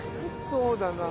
そうだな。